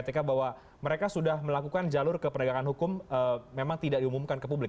ketika bahwa mereka sudah melakukan jalur ke penegakan hukum memang tidak diumumkan ke publik